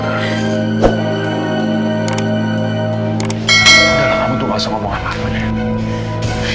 dan kamu tuh gak usah ngomong apa apa